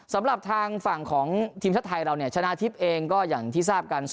สำหรับทางฝั่งของทีมชาติไทยเราเนี่ยชนะทิพย์เองก็อย่างที่ทราบกัน